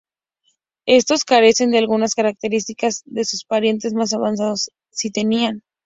Estos carecen de algunas características que sus parientes más avanzados sí tenían.